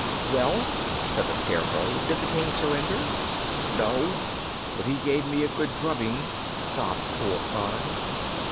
"Well," said the Scarecrow, "did the King surrender?" "No; but he gave me a good drubbing!" sobbed poor Pon.